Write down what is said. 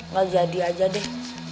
nggak jadi aja deh